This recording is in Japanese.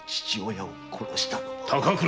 高倉！